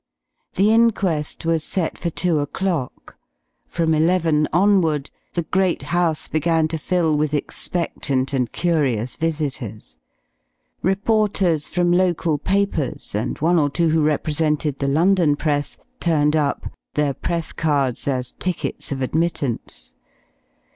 The inquest was set for two o'clock. From eleven onward the great house began to fill with expectant and curious visitors. Reporters from local papers, and one or two who represented the London press, turned up, their press cards as tickets of admittance.